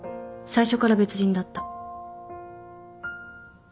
最初から別人だった。